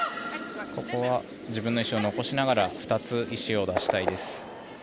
ここは自分の石を残しながら２つ石を出したいです。